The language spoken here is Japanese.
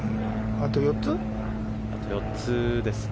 あと４つですね。